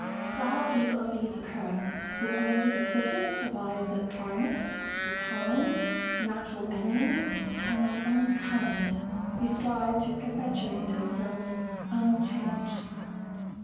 Thousands of these occur, but only the fittest survive the climate, the times, natural enemies, and their own kind, who strive to perpetuate themselves unchanged."